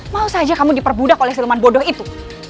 mau saja kamu diperbudak oleh silman bodoh itu